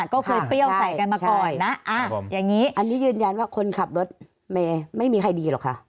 ก็คือเปรี้ยวใส่กันมาก่อนนะอันนี้ยืนยันว่าคนขับรถไม่มีใครดีหรอกค่ะ